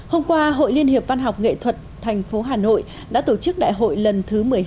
hôm qua hội liên hiệp văn học nghệ thuật thành phố hà nội đã tổ chức đại hội lần thứ một mươi hai